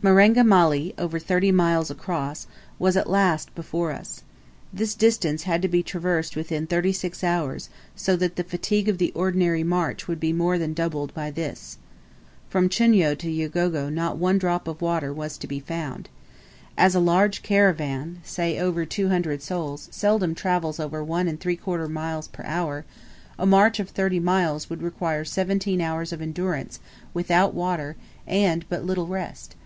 Marenga Mali, over thirty miles across, was at last before us. This distance had to be traversed within thirty six hours, so that the fatigue of the ordinary march would be more than doubled by this. From Chunyo to Ugogo not one drop of water was to be found. As a large caravan, say over two hundred souls, seldom travels over one and three quarter miles per hour, a march of thirty miles would require seventeen hours of endurance without water and but little rest.